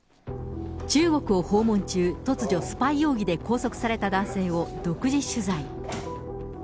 中国を訪問中、突如、スパイ容疑で拘束された男性を独自取材。